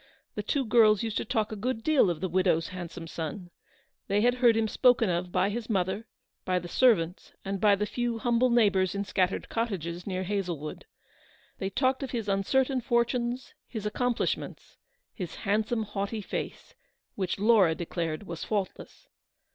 The two girls used to talk a good deal of the widow's handsome son. They had heard him spoken of by his mother, by the ser vants, and by the few humble neighbours in scat tered cottages near Hazlewood. They talked of his uncertain fortunes, his accomplishments, his handsome, haughty face, which Laura declared was faultless.